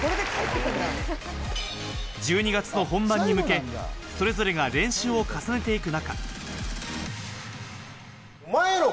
１２月の本番に向け、それぞれが練習を重ねていく中。